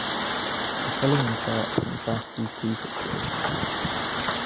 The following chart contrasts these two situations.